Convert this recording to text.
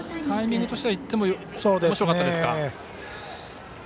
タイミングとしてはいってもよかったですか。